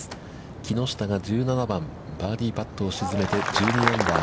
木下が１７番、バーディーパットを沈めて、１２アンダー。